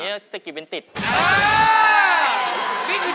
เฮ้ยอย่าลืมฟังเพลงผมอาจารย์นะ